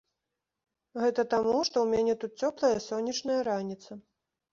Гэта таму, што ў мяне тут цёплая сонечная раніца.